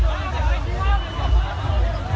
มันอาจจะไม่เอาเห็น